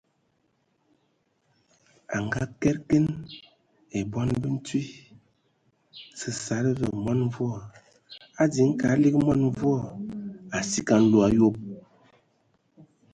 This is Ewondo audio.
A ngaakəd keŋ e bɔn ba ntwi, səsala və mɔn mvua, a diŋiŋ kad lig mɔn mvua asig a nlo ayob.